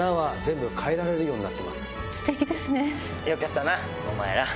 よかったなお前ら。